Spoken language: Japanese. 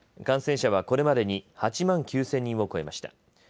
感染者はこれまでに８万９０００人を超えました。